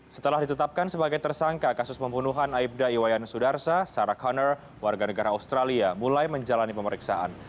setelah ditetapkan sebagai tersangka kasus pembunuhan aibda iwayan sudarsa sarah conner warga negara australia mulai menjalani pemeriksaan